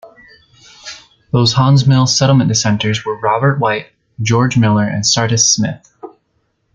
Those Haun's Mill settlement dissenters were Robert White, George Miller, and Sardis Smith.